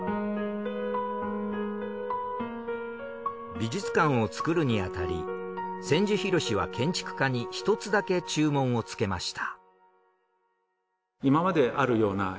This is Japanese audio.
美術館を作るにあたり千住博は建築家に１つだけ注文をつけました。